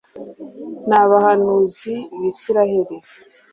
n'abahanuzi b'isirayeli